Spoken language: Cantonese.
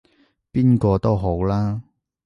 邊個都好啦